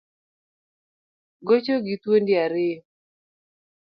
Gocho gi thuondi ariyo